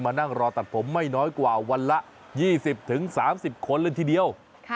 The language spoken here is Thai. นั่งรอตัดผมไม่น้อยกว่าวันละ๒๐๓๐คนเลยทีเดียว